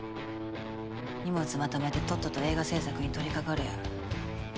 荷物まとめてとっとと映画制作に取りかかれよ。